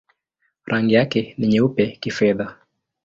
Rangi yake ni nyeupe-kifedha.